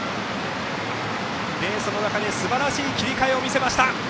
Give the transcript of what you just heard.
レースの中ですばらしい切り替えを見せました。